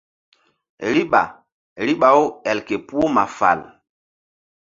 Riɓa riɓa-u el ke puh ma fal.